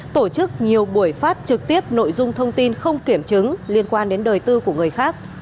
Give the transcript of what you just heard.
tổ chức nhiều buổi phát trực tiếp nội dung thông tin không kiểm chứng liên quan đến đời tư của người khác